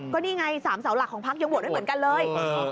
ก็นี่ไง๓เสาหลักของพักยังโหวตไม่เหมือนกันเลย